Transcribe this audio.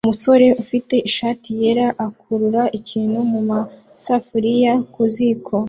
Umusore ufite ishati yera akurura ikintu mumasafuriya ku ziko